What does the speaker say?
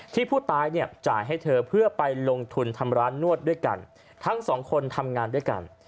ผู้ตายเนี่ยจ่ายให้เธอเพื่อไปลงทุนทำร้านนวดด้วยกันทั้งสองคนทำงานด้วยกัน